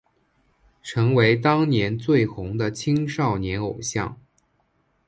成为当年最红的青少年偶像。